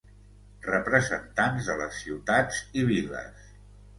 Representants de les ciutats i Viles.